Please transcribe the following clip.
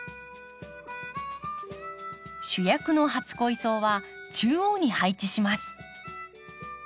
主役の初恋草は中央に配置します。